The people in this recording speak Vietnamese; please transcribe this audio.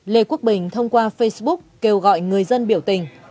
lê quốc bình thông qua facebook kêu gọi người dân biểu tình